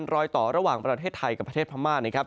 รอยต่อระหว่างประเทศไทยกับประเทศพม่านะครับ